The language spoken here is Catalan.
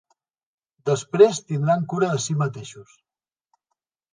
Després tindran cura de si mateixos.